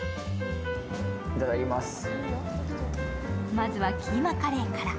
まずはキーマカレーから。